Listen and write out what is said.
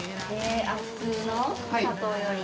普通のお砂糖よりも？